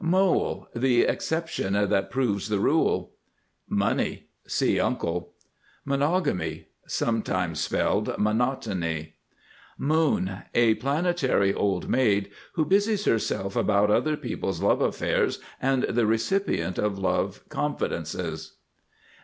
MOLE. The exception that proves the rule. MONEY. See Uncle. MONOGAMY. Sometimes spelling monotony. MOON. A planetary old maid who busies herself about other people's love affairs and the recipient of love confidences.